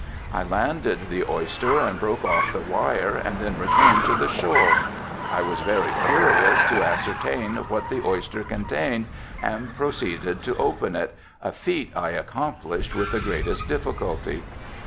I landed the oyster and broke off the wire and then returned to the shore. I was very curious to ascertain what the oyster contained and proceeded to open it, a feat I accomplished with the greatest difficulty.